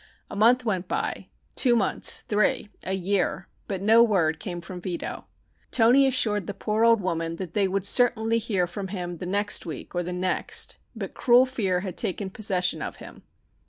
A month went by, two months, three, a year, but no word came from Vito. Toni assured the poor old woman that they would certainly hear from him the next week or the next, but cruel fear had taken possession of him.